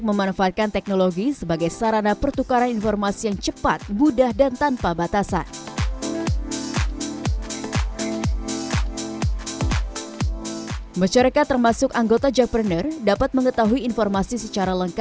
memahami kelebihan dan kepahaman dan mungkin malu pasihan